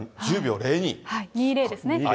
２０ですね。